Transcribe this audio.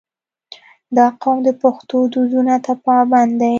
• دا قوم د پښتو دودونو ته پابند دی.